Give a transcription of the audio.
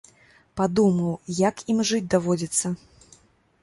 Падумаў, як ім жыць даводзіцца.